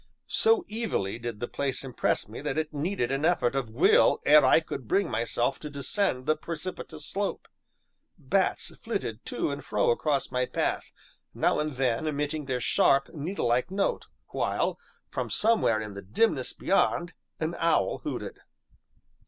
So evilly did the place impress me that it needed an effort of will ere I could bring myself to descend the precipitous slope. Bats flitted to and fro across my path, now and then, emitting their sharp, needlelike note, while, from somewhere in the dimness beyond, an owl hooted.